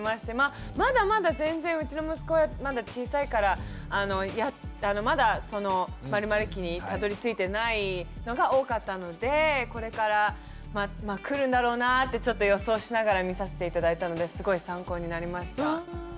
まだまだ全然うちの息子はまだ小さいからまだその○○期にたどりついてないのが多かったのでこれから来るんだろうなぁってちょっと予想しながら見さして頂いたのですごい参考になりました。